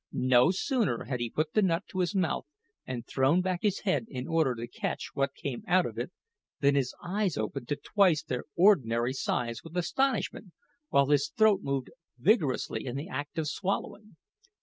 No sooner had he put the nut to his mouth, and thrown back his head in order to catch what came out of it, than his eyes opened to twice their ordinary size with astonishment, while his throat moved vigorously in the act of swallowing.